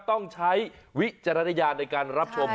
ต้องใช้วิจารณญาณในการรับชม